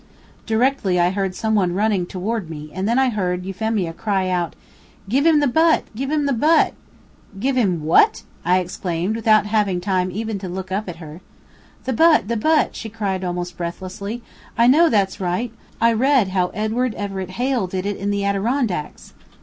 Directly I heard some one running toward me, and then I heard Euphemia cry out: "Give him the butt! Give him the butt!" "Give him what?" I exclaimed, without having time even to look up at her. "The butt! the butt!" she cried, almost breathlessly. "I know that's right! I read how Edward Everett Hale did it in the Adirondacks."